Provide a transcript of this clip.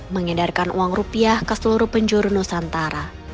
mengendarkan uang rupiah ke seluruh penjuru nusantara